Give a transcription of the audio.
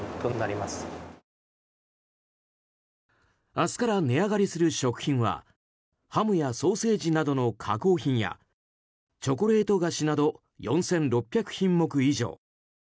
明日から値上がりする食品はハムやソーセージなどの加工品やチョコレート菓子など４６００品目以上。